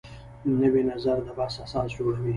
نوی نظر د بحث اساس جوړوي